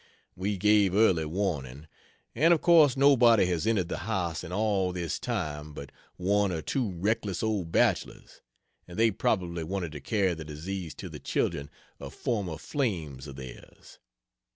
We gave early warning, and of course nobody has entered the house in all this time but one or two reckless old bachelors and they probably wanted to carry the disease to the children of former flames of theirs.